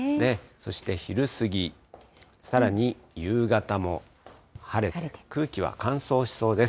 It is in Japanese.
そして昼過ぎ、さらに夕方も晴れて空気は乾燥しそうです。